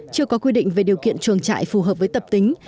chưa có quy định về điều kiện chuồng trại phù hợp với tập tính